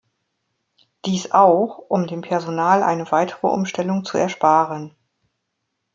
Dies auch, um dem Personal eine weitere Umstellung zu ersparen.